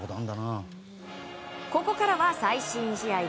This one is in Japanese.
ここからは最新試合。